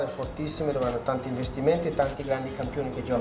yang memiliki banyak investasi dan banyak pemenang yang berguna